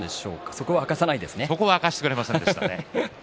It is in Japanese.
そこは明かしてくれませんでしたね。